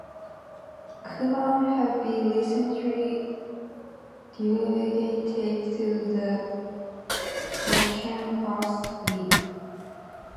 Kuban had been recently derelegated to the Russian First League.